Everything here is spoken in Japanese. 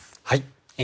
はい。